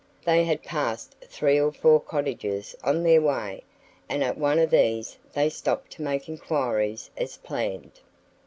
They had passed three or four cottages on their way and at one of these they stopped to make inquiries as planned.